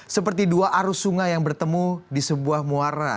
seperti dua arus sungai yang bertemu di sebuah muara